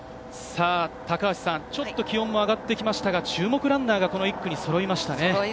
高橋さん、ちょっと気温も上がってきましたが注目ランナーが１区にそろいましたね。